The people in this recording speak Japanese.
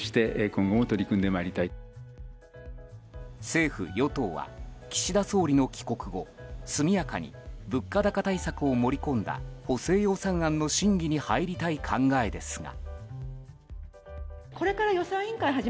政府・与党は岸田総理の帰国後、速やかに物価高対策を盛り込んだ補正予算案の審議に入りたい考えですが。